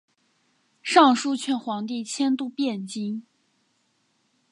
上书劝皇帝迁都汴京。